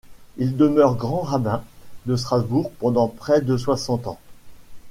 Il demeure Grand-rabbin de Strasbourg pendant près de soixante ans.